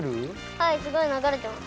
はいすごいながれてます。